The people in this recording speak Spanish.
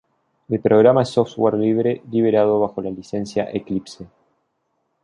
El programa es software libre liberado bajo la licencia Eclipse.